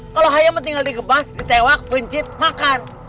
kalau hayam tinggal digebah ditewak bencit makan